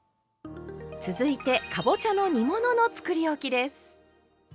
続いてかぼちゃの煮物のつくりおきです。